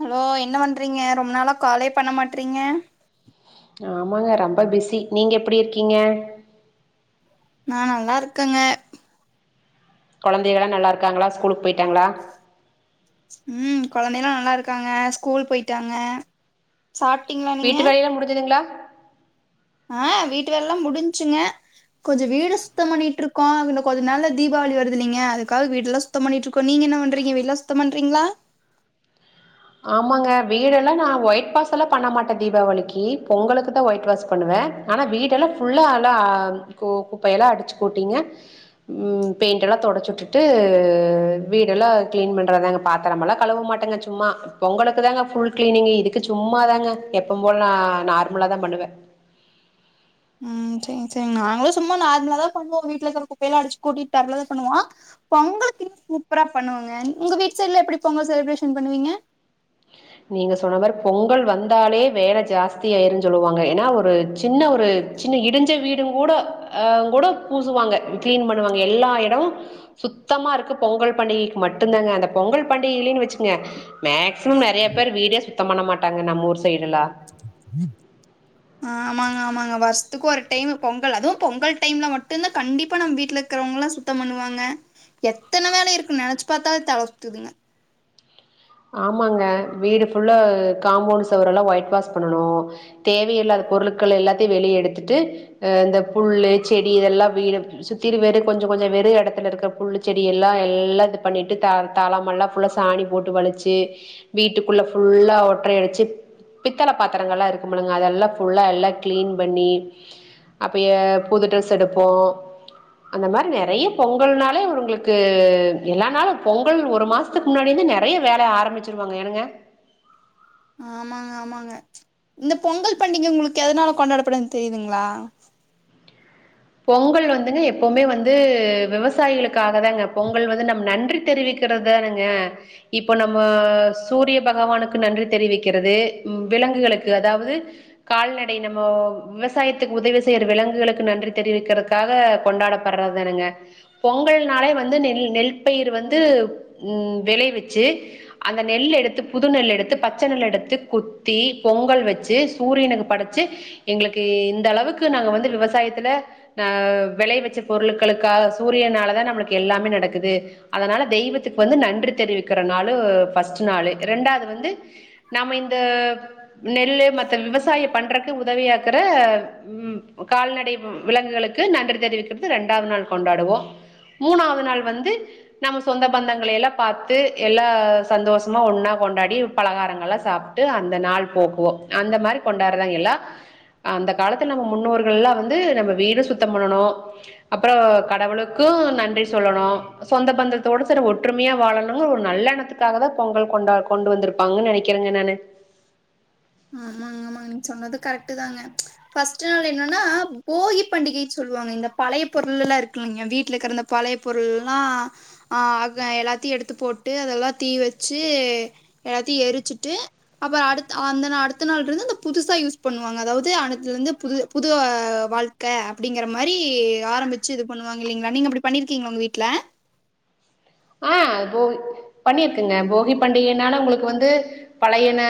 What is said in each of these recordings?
Hello என்ன பண்றீக ரொம்ப நாளா காலே பண்ண மாட்டறீக ஆமாங்க ரொம்ப பிஸி நீங்க எப்டிருக்கீங்க நா நல்லா இருக்கேங்க குழந்தைகள்ல நல்லா இருக்காங்களா ஸ்கூலுக்கு போயிட்டாங்களா ம் குழந்தை எல்லாம் நல்லா இருக்காங்க ஸ்கூல் போயிட்டாங்க சாப்ட்டீங்களா வீட்டு வேலை எல்லாம் முடிஞ்சதுங்களா ஆஹ் வீட்டு வேல்லாம் முடிஞ்சுங்க கொஞ்சம் வீடு சுத்தம் பண்ணிட்டு இருக்கோம் இ கொஞ்சம் நல்ல தீபாவளி வருதில்லங்க அதுக்காக வீடு எல்லாம் சுத்தம் பண்ணிட்டு இருக்கோம் நீங்க என்ன பண்றீங்க வீட்டு எல்லாம் சுத்தம் பண்றீங்களா ஆமாங்க வீடெல்லாம் நான் ஒயிட் வாஷ் எல்லாம் பண்ண மாட்டேன் தீபாவளிக்கு பொங்கலுக்கு தான் ஒயிட் வாஷ் பண்ணுவேன் ஆனா வீடெல்லாம் ஃபுல்லா எல்லாம் குப்பையெல்லாம் அடிச்சு கூட்டிங்க உ பெயிண்ட் எல்லாம் தொடடைச்சு வுட்டுட்டு வீடெல்லாம் கிளீன் பண்றதாங்க பாத்திரமெல்லாம் கழுவ மாட்டேங்க சும்மா பொங்கலுக்கு தாங்க ஃபுல் கிளீனிங் இதுக்கு சும்மாதாங்க எப்ப போல நான் நார்மலாாதான் பண்ணுவேன் உஹம் செரிங்க செரி நாங்களும் சும்மா நார்மலா தான் பண்ணுவோம் வீட்டுல இருக்கிற குப்பையல்லாம் அடிச்சு கூட்டிட்டு நார்மல தான் பண்ணுவோம் பொங்கலுக்கு சூப்பரா பண்ணுவங்க உங்க வீட் சைடு்ல எப்படி பொங்கல் செலிப்ரேஷன் பண்ணுவீங்க நீங்க சொன்ன மாதிரி பொங்கல் வந்தாலே வேலை ஜாஸ்தி ஆயிருன்னு சொல்லுவாங்க ஏன்னா ஒரு சின்ன ஒரு சின்ன இடிஞ்ச வீடும் கூட அ கூட பூசுவாங்க கீளீன் பண்ணுவாங்க எல்லா இடமும் சுத்தமா இருக்கும் பொங்கல் பண்டிகைக்கு மட்டும் தாங்க அந்த பொங்கல் பண்டியில்லைனு வச்சுங்க மேக்ஸிமம் நெறைய வீடே சுத்த பண்ண மாட்டாங்க நம்ம ஒரு ச ஆஹ் ஆமாங்க ஆமாங்க பா வருசத்துக்கு ஒரு டைம் பொங்கல் அதுவும் பொங்கல் டைம்ல மட்டும்தான் கண்டிப்பா நம்ம வீட்டுல இருக்கிறவங்கல்லாம் சுத்தம் பண்ணுவாங்க எத்தன வேலை இருக்குன்னு நினைச்சு பார்த்தாலே தல சுத்துதுங்க ஆமாங்க வீடு புல்லா காம்பவுண்ட் சுவர் எல்லாம் ஒயிட் வாஷ் பண்ணனும் தேவையில்லாத பொருட்கள் எல்லாத்தையும் வெளிய எடுத்துட்டு அஹ் இந்த புல்லு செடி இதெல்லாம் வீடு சுத்திலும் வீடு வெறும் கொஞ்சம் கொஞ்சம் வெறும் இடத்துல இருக்கற புல்லு செடி எல்லாம் எல்லாம் இது பண்ணிட்டு த தளாமெல்லாம் புல்ல சாணி போட்டு வலிச்சு வீட்டுக்குள்ள ஃபுல்லா ஒற்றை அடிச்சி பித்தல பாத்திரங்கலாம் இருக்குமுங்கள அதெல்லாம் ஃபுல்லா எல்லா க்ளீன் பண்ணி அப்போ புது ட்ரெஸ் எடுப்போம் அந்த மாரி நெறைய பொங்கல்னாலே உங்களுக்கு பொங்கல் ஒரு மாசத்துக்கு முன்னாடிந்து நெறைய வேலைய ஆரம்பிச்சிருவாங்க என்னங்க ஆமாங்க ஆமாங்க இந்த பொங்கல் பண்டிகை உங்களுக்கு எதனால கொண்டாடப்படுதுன்னு தெரியுதுங்களா பொங்கல் வந்துங்க எப்பவுமே வந்து விவசாயிகளுக்காக தாங்க பொங்கல் வந்து நம் நன்றி தெரிவிக்கிறது தானுங்க இப்போ நம்ம சூரிய பகவானுக்கு நன்றி தெரிவிக்கிறது விலங்குகளுக்கு அதாவது கால்நடை நம்ம விவசாயத்துக்கு உதவி செய்யற விலங்குகளுக்கு நன்றி தெரிவிக்கிறதுக்காக கொண்டாடப்படுறதனுங்க பொங்கல்னாலே வந்து நெ நெல் பயிர் வந்து உ வெளை வச்சு அந்த நெல் எடுத்து புது நெல் எடுத்து பச்சை நெல் எடுத்து குத்தி பொங்கல் வச்சு சூரியனுக்கு படைச்சு எங்களுக்கு இந்த அளவுக்கு நாங்க வந்து விவசாயத்துல அஹ் வெளையவச்ச பொருட்களுக்காக சூரியனாலதான் நம்மளுக்கு எல்லாமே நடக்குது அதனால தெய்வத்துக்கு வந்து நன்றி தெரிவிக்கிற நாளு பர்ஸ்ட் நாளு ரெண்டாவது வந்து நாம இந்த நெல்லு மத்த விவசாயம் பண்றக் உதவியாக்குற கால்நடை விலங்குகளுக்கு நன்றி தெரிவிக்கிறது ரெண்டாவது நாள் கொண்டாடுவோம் மூணாவது நாள் வந்து நம்ம சொந்த பந்தங்களளை எல்லாம் பார்த்து எல்லா சந்தோஷமா ஒன்னா கொண்டாடி பலகாரங்கள் எல்லாம் சாப்பிட்டு அந்த நாள் போக்குவோம் அந்த மாதிரி கொண்டாடுறதாங்க எல்ல அந்த காலத்துல நம்ம முன்னோர்கள் எல்லாம் வந்து நம்ம வீடு சுத்தம் பண்ணணும் அப்புறம் கடவுளுக்கும் நன்றி சொல்லணும் சொந்த பந்தத்தோட சில ஒற்றுமையா வாழணும்ங்க ஒரு நல்லெண்ணத்துக்காக தான் பொங்கல் கொண்டா கொண்டு வந்திருப்பாங்கன்னு நினைக்கிறேங்க நானு ஆமாங்க ஆமாங்க நீங்க சொன்னது கரெக்ட் தாங்க பர்ஸ்ட் நாள் என்னன்னா போகி பண்டிகை சொல்லுவாங்க இந்த பழைய பொருள் எல்லாம் இருக்குங்க வீட்டுல இருக்கிறந்த பழைய பொருள் எல்லாம்ஹ் எல்லாத்தையும் எடுத்து போட்டு அதெல்லாம் தீ வச்சு எல்லாத்தையும் எரிச்சுட்டு அப்புறம் அ அ அடுத்த நாள்ள இருந்துஅந்த புதுசா யூஸ் பண்ணுவாங்க அதாவது அடுத்ததுல இருந்து புது புது வாழ்க்கை அப்படிங்கற மாதிரி ஆரம்பிச்சு இது பண்ணுவாங்க இல்லலைங்களா நீங்க அப்படி பண்ணிருக்கீங்களா உங்க வீட்டுல ஆஹ் போகி பண்ணியிருக்குங்க போகி பண்டிகைனால உங்களுக்கு வந்து பழையன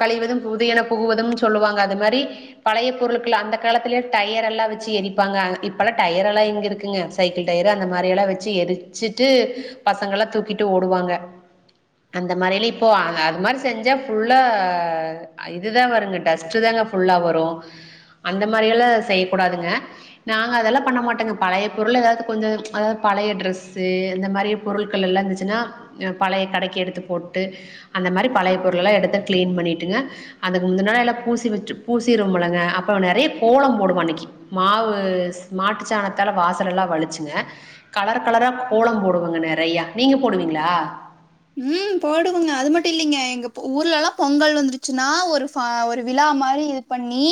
கழிவதும் புதியன புகுவதும் சொல்லுவாங்க அது மாரி பழைய பொருட்கள் அந்த காலத்துலயே டயர் எல்லாம் வச்சு எரிப்பாங்க இப்பெல்லாம் டயர் எல்லாம் எங்க இருக்குங்க சைக்கிள் டயரு அந்த மாதிரி எல்லாம் வச்சு எரிச்சுட்டு பசங்கல்லாம் தூக்கிட்டு ஓடுவாங்க அந்த மாதிரி எல்லாம் இப்போ அது மாதிரி செஞ்சா ஃபுல்லா இதுதான் வருங்க டஸ்ட்ட் தாங்க ஃபுல்லா வரும் அந்த மாதிரி எல்லாம் செய்யக்கூடாதுங்க நாங்க அதெல்லாம் பண்ண மாட்டோங்க பழைய பொருள் ஏதாவது கொஞ்சம் அதாவது பழைய டிரெஸ்ஸு இந்த மாரி பொருட்கள் எல்லாம் இருந்துச்சுன்னா பழைய கடைக்கு எடுத்து போட்டு அந்த மாதிரி பழைய பொருள் எல்லாம் எடத்த கிளீன் பண்ணிட்டுங்க அதுக்கு முந்த நாள எல்லாம் பூசி வ பூசிரும் முலங்க அப்பறம் நெறைய கோலம் போடும் அன்னைக்கு மாவு மாட்டு சாணத்தால வாசல எல்லாம் வலிச்சுங்க கலர் கலரா கோலம் போ ங்க நே ரைய்யா நீங்க போடுவீங்களா உம் போடுங்க அது மட்டும் இல்லலைங்க எங்க ஊர்ல எல்லாம் பொங்கல் வந்துருச்சுன்னா ஒரு ஒரு விழா மாதிரி இது பண்ணி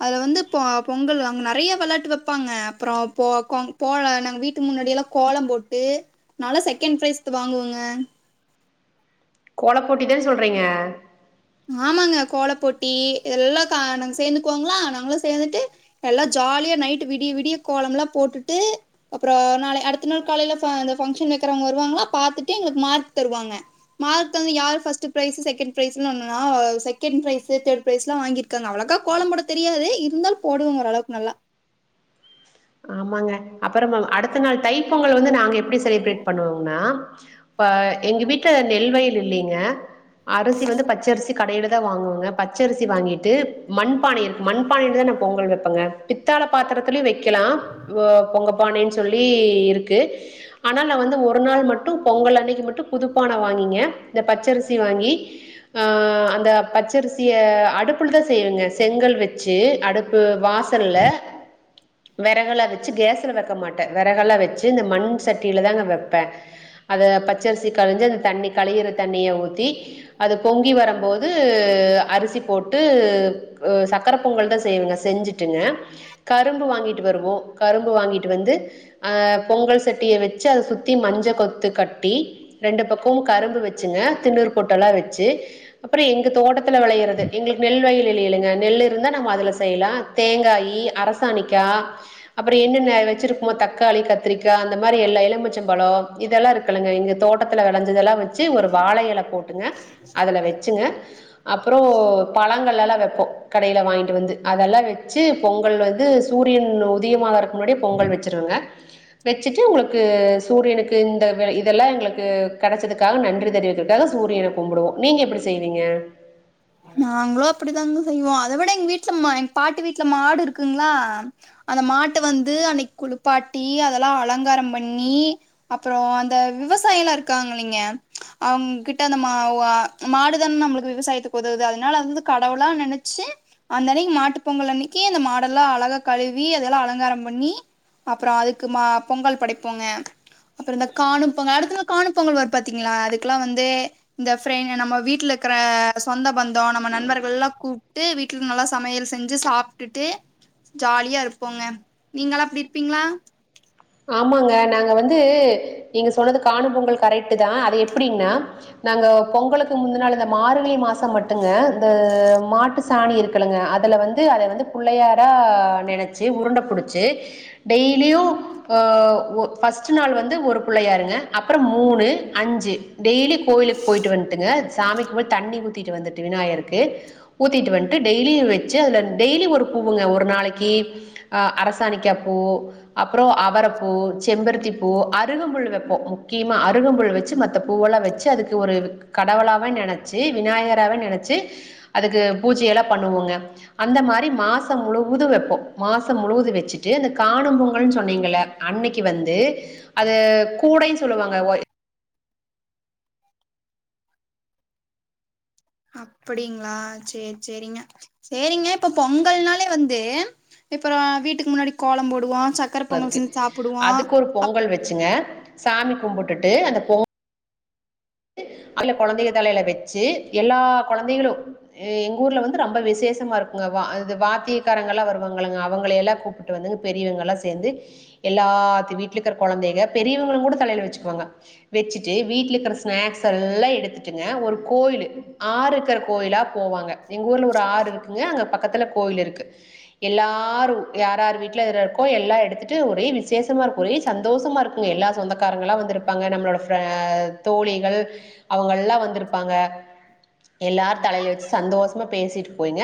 அதுல வந்து பொங்கல் அங்க நெறைய வெளாட்டு வைப்பாங்க அப்புறம் போல நாங்க வீட்டுக்கு முன்னாடிய எல்லாம் கோலம் போட்டு நாலாம் செகண்ட் பிரைஸ் வாங்குவோங்க கோல போட்டிதானே சொல்றீங்க ஆமாங்க கோலப்போட்டி இதெல்லாம் கா நாங்க சேர்ந்துக்குவோங்களா நாங்களும் சேர்ந்துட்டு எல்லாம் ஜாலியா நைட்டு் விடிய விடிய கோலம் எல்லாம் போட்டுட்டு அப்புறம் நாளை அடுத்த நாள் காலையில பங்க்ஷன் வைக்கறவங்க வருவாங்களா பாத்துட்டு எங்களுக்கு மார்க் தருவாங்க மார்க் தந்து யாரு first prize second prize second prize third prize எல்லாம் வாங்கியிருக்காங்க அவ்ளக்கா கோலம் போட தெரியாது இருந்தும் போடுவங்க ஓரளவுக்கு நல்லா ஆமாங்க அப்புறமா அடுத்த நாள் தைப்பொங்கல் வந்து நாங்க எப்படி செலிப்ரேட் பண்ணுவோம்னா இப்ப எங்க வீட்ல நெல்வயல் இல்லங்க அரிசி வந்து பச்சரிசி கடையையில் தான் வாங்குவோங்க பச்சரிசி வாங்கிட்டு மண்பானை இருக்கு மண்பான பொங்கல் வைப்பங்க பித்த பாத்திரத்த வைக்க கெலாம் ஹ பொங்கப்பானைன்னு சொல்லி இருக்கு ஆனா நான் வந்து ஒரு நாள் மட்டும் பொங்கல் அன்னைக்கு மட்டும் புதுப்பானை வாங்கிங்க இந்த பச்சரிசி வாங்கி ஆஹ் அந்த பச்சரிசய அடுப்புலதான் செய்வங்க செங்கல் வச்சு அடுப்பு வாசல்ல விறகலாம் வச்சு கேஸ்ல வைக்க மாட்டேன் விறகலாம் வச்சு இந்த மண் சட்டியில தாங்க வைப்பேன் அதை பச்சரிசி கரைஞ்சு அந்த தண்ணி களையிற தண்ணிய ஊத்தி அது பொங்கி வரும்போது அரிசி போட் ட்டு சக்கர பொங்கல் தான் செய்வங்க செஞ்சுட்டுங்க கரும்பு வாங்கிட்டு ருவோம் கரும்பு வாங்கிட்டு வந்து பொங்கல் சட்டியை வச்சு அத சுத்தி மஞ்ச கொத்து கட்டி ரெண்டு பக்கமும் கரும்பு வச்சுங்க திண்ணூறு பொட்டல்லாம் வச்சு அப்புறம் எங்க தோட்டத்து விளையறது எங்களுக்கு நெல் வயில் இ இங்க நெல் இருந்தா நம அதுல செய்யலாம் தேங்காய் அரசாணிக்காய் அப்புறம் என்னென்ன வச்சிருக்குமோ தக்காளி கத்திரிக்காய் அந்த மாதிரி எல்லா எலுமிச்சம்பழம் இதெல்லாம் இருக்குல்லுங்க இங்க தோட்டத்துல விளைஞ்சதெல்லாம் வச்சு ஒரு வாழையிலை போட்டு விங்க அதுல வச்சுங்க அப்புறம் பழங்கள் லாம் வ கடையில வாங்கிட்டு வந்து அதெல்லாம் வச்சு பொங்கல் வந்து சூரியன் உதய மாகுறதுக்கு முன்னாடியே பொங்கல் வச்சிருவேங்க வச்சுட்டு உங்களுக்கு சூரியனுக்கு இந்த இதெல்லாம் எங்களுக்கு கிடைச்சதுக்காக நன்றி தெரிவிக்கிறதுக்காக சூரியனை கும்பிடுவோம் நீங்க எப்படி செய்வீங்க நாங்களும் அப்படித்தாங்க செய்வோம் அதை விட எங்க வீட்டுல எங்க பாட்டி வீட்டுல மாடு இருக்குங்களா அந்த மாட்ட வந்து அன்னைக்கு குளிப்பாட்டி அதெல்லாம் அலங்காரம் பண்ணி அப்புறம் அந்த விவசாயம் எல்லாம் இருக்காங்க இலைங்க அவங்க கிட்ட அந்த மா மாடுதானே நம்மளுக்கு விவசாயத்து தவுது அதனால அ வந்து கடவுளா நெனைச்சு அந்த அன்னைக்கு மாட்டு பொங்கல் அன்னைக்கு அந்த மாடெல்லாம் அழகா கழுவி அதெல்லாம் அலங்காரம் பண்ணி அப்புறம் அதுக்கு மா பொங்கல் படைப்போங்க அப்புறம் இந்த காணு பொங்கல் அடுத்த நாள் காணு பொங்கல் வ பா்த்தீங்களா அதுக்கெல்லாம் வந்து இந்த நம்ம வீட்டுல இருக்கிற சொந்த பந்தம் நம்ம நண்பர்கள் எல்லாம் கூப்பிட்டு வீட்டுல நல்லா சமையல் செஞ்சு சாப்பிட்டுட்டு ஜாலியா இருப்போங்க நீங்க எல்லாம் அப்படி இருப்பீங்களா ஆமாங்க நாங்க வந்து நீங்க சொன்னது காணு பொங்கல் கரெக்ட் தான் அது எப்படின்னா நாங்க பொங்கலுக்கு முந்த நாள் இந்த மார்கழி மாசம் மட்டும்ங்க இந்த மாட்டு சாணி இருக்கலுங்க அதுல வந்து அத வந்து பிள்ளையாரா நினைச்சு உருண்ட புடிச்சு டெய்லியும் ஏ ஓ ஃபர்ஸ்டு நாள் வந்து ஒரு பிள்ளையாருங்க அப்புறம் மூணு அஞ்சு டெய்லி கோயிலுக்கு போயிட்டு வந்துட்டுங்க சாமிக்கு போய் தண்ணி ஊத்திட்டு வந்துட்டு விநாயகருக்கு ஊத்திட்டு வந்துட்டு டெய்லி வச்சு அதில் டெய்லி ஒரு பூவுங்க ஒரு நாளைக்கு அரசாணிக்கா பூ அப்புறம் அவரைப்பூ செம்பருத்தி பூ அருகம்புல் வப்போம் முக்கியமாக அருகம்புல் வச்சு மத்த பூவெல்லாம் வச்சு அதுக்கு ஒரு கடவுளாகாவ நினச்சி விநாயகராக நினச்சி அதுக்கு பூஜையெல்லாம் பண்ணுவோங்க அந்த மாரி மாசம் முழுவதும் வப்போம் மாசம் முழுவதும் வச்சுட்டு இந்தந்த காணும் பொங்கன்னு சொன்னீங்க ல்ல அன்னைக்கி வந்து அது கூடைன்னு சொல்லுவாங்க ஒ அப்படிங்களா சேரி சேரிங்க. சேரிங்க இப்ப பொங்கல்னாலே வந்து இப்புறோ வீட்டுக்கு முன்னாடி கோலம் போடுவோ சக்கர ப்ப பொங்கல் அதுக்கு செஞ்சு சாப்புடுவோ அதுக்கு ஒரு பொங்கல் வச்சுங்க சாமி கும்புட்டுட்டு அந்த பொங் அதுல கொழந்தைக தலைல வச்சு எல்லா கொழந்தைகளு ஆ எங்க ஊர்ல வந்து ரொம்ப விசேஷமா இருக்குங்க வா இது வாத்தியக்காரங்கல்லா வருவாங்கல்லங்க அவங்கள எல்லா கூப்புட்டு வந்துங்க பெரியவங்க எல்லா சேந்து எல்லாத்து வீட்ல இருக்குற கொழந்தைக பெரியவங்களு கூட தலையில வச்சுக்குவாங்க வச்சுட்டு வீட்ல இருக்கற ஸ்நாக்ஸ் எல்லா எடுத்துட்டுங்க ஒரு கோயிலு ஆறு இருக்கிற கோயிலா போவாங்க எங்க ஊர்ல ஒரு ஆறு இருக்குங்க அங்க பக்கத்துல கோயில் இருக்கு எல்லாரு யார் யார் வீட்ல எது இருக்கோ எல்லா எடுத்துட்டு ஒரே விசேஷமா இருக்கு ஒரே சந்தோஷமா இருக்குங்க எல்லா சொந்தக்காரங்கல்லா வந்துருப்பாங்க நம்மளோட ஃபிர தோழிகள் அவங்க எல்லா வந்திருப்பாங்க எல்லாரு தலையில வச்சு சந்தோஷமா பேசிட்டு போய்ங்க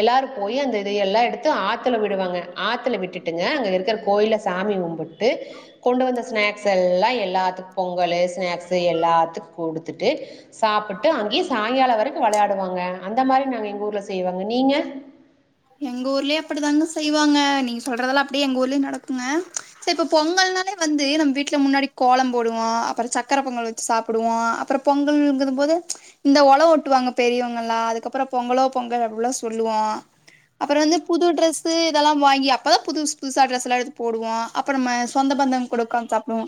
எல்லாரு போயி அந்த இதைய எல்லா எடுத்து ஆத்துல விடுவாங்க. ஆத்துல விட்டுட்டுங்க அங்க இருக்கிற கோயில்ல சாமி கும்புட்டு கொண்டு வந்த ஸ்நாக்ஸ் எல்லா எல்லாத்துக்கு பொங்கலு ஸ்நாக்ஸு எல்லாத்துக்கு குடுத்துட்டு சாப்புட்டு அங்கயே சாயங்காலோ வரைக்கு வெளையாடுவோங்க. அந்த மாரி நாங்க எங்க ஊர்ல செய்வங்க நீங்க? எங்க ஊர்லயு அப்படிதாங்க செய்வாங்க. நீங்க சொல்றதெல்லா அப்படியே எங்க ஊர்லயு நடக்குங்க. சே இப்ப பொங்கல்னாலே வந்து நம்ம வீட்ல முன்னாடி கோலம் போடுவோ அப்புற சக்கர பொங்கல் வச்சு சாப்புடுவோ அப்புற பொங்கல்ங்கறம் போது இந்த ஒழவு ஒட்டுவாங்க பெரியவங்க எல்லா அதுக்கப்புறோ பொங்கலோ பொங்கல் அப்படில்லா சொல்லுவோ. அப்புறோ வந்து புது ட்ரெஸ்ஸு இதெல்லா வாங்கி அப்பதா புதுஸ் புதுசா ட்ரெஸ் எல்லா எடுத்து போடுவோ. அப்ப நம்ம சொந்த பந்தம் கூட உக்காந்து சாப்பிடுவோ.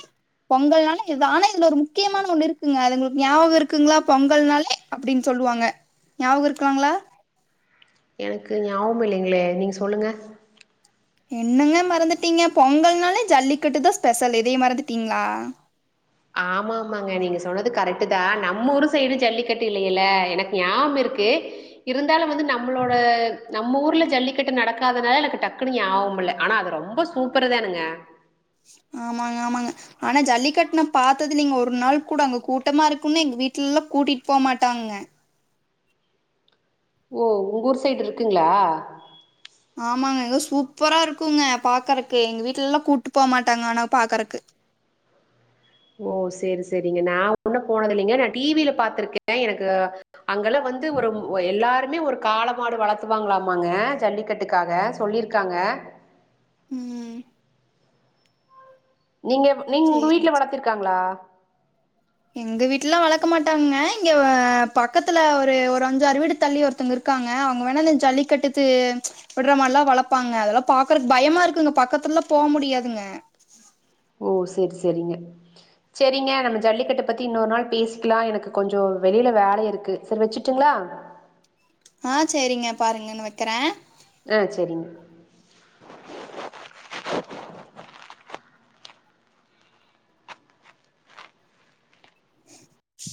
பொங்கல்னாலே இதா ஆனா இதுல ஒரு முக்கியமான ஒண்ணு இருக்குங்க அது உங்களுக்கு ஞாபக இருக்குங்களா பொங்கல்னாலே அப்டின்னு சொல்லுவாங்க ஞாவகோ இருக்குங்களா? எனக்கு ஞாபகோ இல்லைங்களே நீங்க சொல்லுங்க. என்னங்க மறந்துட்டீங்க? பொங்கல்னாலே ஜல்லிக்கட்டுதா ஸ்பெஷல் இதய மறந்துட்டீங்களா? ஆமா ஆமாங்க நீங்க சொன்னது கரெக்ட்டுதா. நம்ம ஊர் சைடு ஜல்லிக்கட்டு இல்லையல்ல எனக்கு ஞாவம் இருக்கு இருந்தாலு வந்து நம்மளோட நம்ம ஊர்ல ஜல்லிக்கட்டு நடக்காதனால எனக்கு டக்குன்னு ஞாவகம் வல்ல ஆனா அது ரொம்ப சூப்பருதானுங்க. ஆமாங்க ஆமாங்க ஆனா ஜல்லிக்கட்டு நா பாத்தது இல்லிங்க. ஒரு நாள் கூட அங்க கூட்டமா இருக்குனு எங்க வீட்டுலலா கூட்டிட்டு போமாட்டாங்க. ஓ உங்க ஊர் சைடு இருக்குங்களா? ஆமாங்க அங்க சூப்பரா இருக்குங்க பாக்குறக்கு. எங்க வீட்ல எல்லா கூப்ட்டு போமாட்டாங்க ஆனா பாக்கறக்கு. ஓ சேரி சேரிங்க நா உன்னா போனது இல்லைங்க. நா டி வி ல பாத்திருக்கே எனக்கு அங்கலா வந்து ஒரு அ எல்லாரு மே ஒரு காள மாடு வளத்துவாங்களாமாங்க ஜல்லிக்கட்டுக்காக சொல்லிருக்காங்க. ம் நீங்க நீங்க உங்க வீட்ல சேரிங்க வளத்திருக்காங்களா? எங்க வீட்லல்லா வளக்க மாட்டாங்க. இங்க ஆ பக்கத்துல ஒரு ஒரு அஞ்சு ஆறு வீடு தள்ளி ஒருத்தங்க இருக்காங்க. அவங்க வேணாலு ஜல்லி கட்டுத்து விடுற மாடுல்லா வளப்பாங்க. அதெல்லா பாக்குறக்கு பயமா இருக்குங்க பக்கத்துல எல்லா போமுடியாதுங்க. ஓ செரி செரிங்க. செரிங்க நம்ம ஜல்லிக்கட்ட பத்தி இன்னொரு நாள் பேசிக்கலா. எனக்கு கொஞ்சோ வெளில வேல இருக்கு செரி வெச்சுருட்டுங்களா? ஆ சேரிங்க பாருங்க நா வைக்கறே. ஆ செரிங்க.